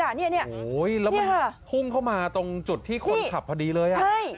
แล้วมันพุ่งเข้ามาตรงจุดที่คนขับพอดีเลย